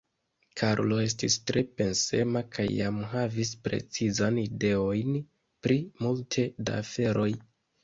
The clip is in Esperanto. Karlo estis tre pensema kaj jam havis precizajn ideojn pri multe da aferoj.